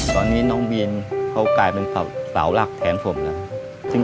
ตอนนี้น้องบีนเขากลายเป็นสาวหลักแทนผมแล้ว